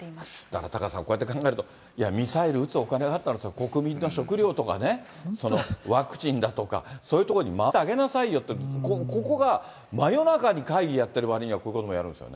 だからタカさん、こうやって考えると、いや、ミサイル撃つお金があったら、それ、国民の食料とかね、ワクチンだとか、そういうところに回してあげなさいよって、ここが真夜中に会議やってるわりには、こういうこともやるんです